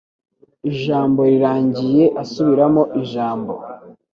Ijambo rirangiye asubiramo ijambo.